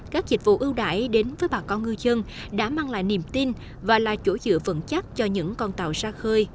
các dịch vụ ưu đại đến với bà con người dân đã mang lại niềm tin và là chỗ dựa vận chắc cho những con tàu ra khơi